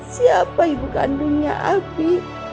siapa ibu kandungnya abi